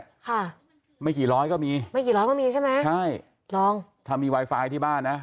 ค่ะไม่กี่ร้อยก็มีไม่กี่ร้อยก็มีใช่ไหมใช่ลองถ้ามีไวไฟที่บ้านนะ